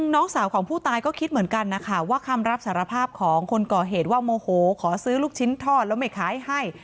น้องสาวของผู้ตายก็คิดเหมือนกันนะคะว่าคำรับสารภาพของคนก่อเหตุว่าโมโหขอซื้อลูกชิ้นทอดแล้วไม่ขายให้